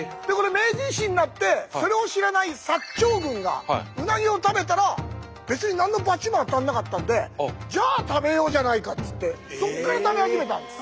明治維新になってそれを知らない長軍がうなぎを食べたら別に何のバチも当たらなかったんでじゃあ食べようじゃないかっつってそこから食べ始めたんです。